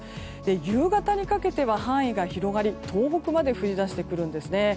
夕方にかけては範囲が広がり東北まで降り出してくるんですね。